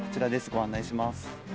ご案内します。